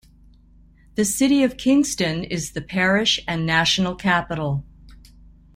The city of Kingston is the parish and national capital.